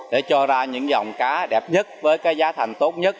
để cho ra những dòng cá đẹp nhất với cái giá thành tốt nhất